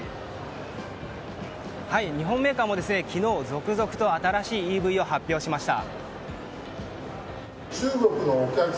日本メーカーも昨日、続々と新しいＥＶを発表しました。